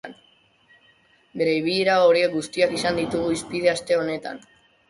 Bere ibilera horiek guztiak izan ditugu hizpide aste honetan.